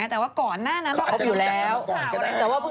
แต่ว่าก่อนหน้านั้น